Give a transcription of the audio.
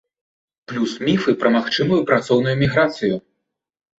Плюс міфы пра магчымую працоўную міграцыю.